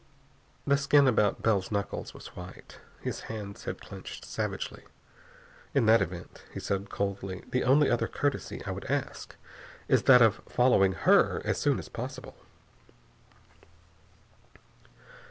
The skin about Bell's knuckles was white. His hands had clenched savagely. "In that event," he said coldly, "the only other courtesy I would ask is that of following her as soon as possible."